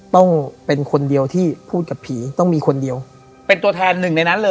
ต้องเป็นคนเดียวที่พูดกับผีต้องมีคนเดียวเป็นตัวแทนหนึ่งในนั้นเลย